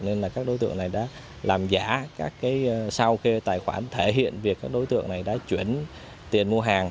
nên là các đối tượng này đã làm giả các cái sao kê tài khoản thể hiện việc các đối tượng này đã chuyển tiền mua hàng